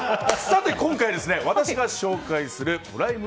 今回、私が紹介するプライム